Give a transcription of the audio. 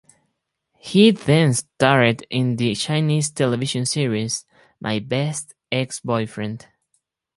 He then starred in the Chinese television series "My Best Ex-Boyfriend".